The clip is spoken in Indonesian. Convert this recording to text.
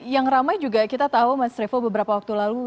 yang ramai juga kita tahu mas revo beberapa waktu lalu